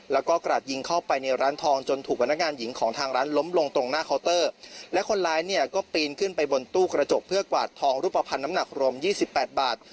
แล้วก็กราดยิงเข้าไปในร้านทองจนถูกพนักงานหญิงของทางร้านล้มลงตรงหน้าเคาน์เตอร์และคนร้ายเนี่ยก็ปีนขึ้นไปบนตู้กระจกเพื่อกวาดทองรูปภัณฑ์น้ำหนักรวมยี่สิบแปดบาท